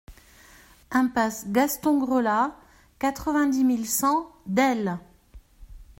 Impasse Gaston Grelat, quatre-vingt-dix mille cent Delle